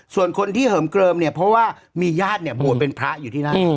ส่วนคนที่เหิมเกลิมเนี่ยเพราะว่ามีญาติเนี่ยบวชเป็นพระอยู่ที่นั่น